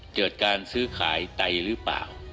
เกิดการซื้อขายไตหรือเปล่า